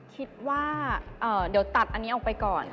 คิดว่าเดี๋ยวตัดอันนี้ออกไปก่อน